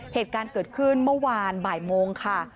เหตุการณ์เกิดขึ้นเมื่อวานบ่ายโมงค่ะ